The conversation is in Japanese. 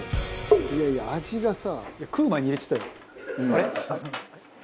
「いやいや味がさ」